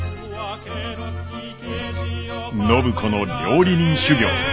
暢子の料理人修業